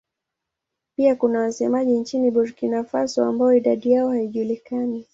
Pia kuna wasemaji nchini Burkina Faso ambao idadi yao haijulikani.